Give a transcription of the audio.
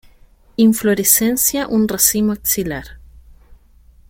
Inflorescencia un racimo axilar.